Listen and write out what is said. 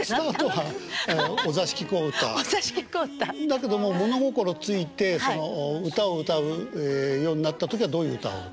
だけどもう物心付いてその歌を歌うようになった時はどういう歌を？